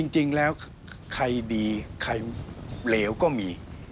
จริงแล้วใครดีใครเหลวก็มี